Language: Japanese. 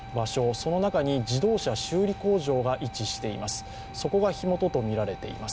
その中に自動車修理工場が位置しています。